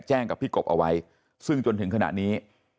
กับพี่กบเอาไว้ซึ่งจนถึงขณะนี้